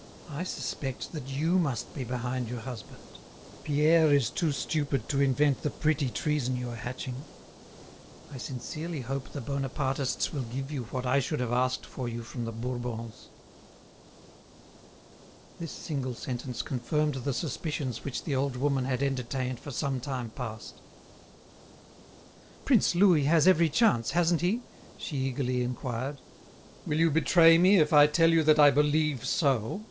I suspected that you must be behind your husband. Pierre is too stupid to invent the pretty treason you are hatching. I sincerely hope the Bonapartists will give you what I should have asked for you from the Bourbons." This single sentence confirmed the suspicions which the old woman had entertained for some time past. "Prince Louis has every chance, hasn't he?" she eagerly inquired. "Will you betray me if I tell you that I believe so?"